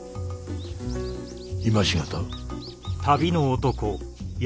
今し方。